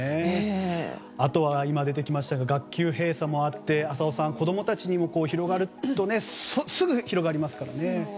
あとは、今出てきましたが学級閉鎖もあって浅尾さん、子供たちに広がるとすぐに広がりますからね。